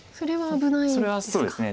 それは危ないですか。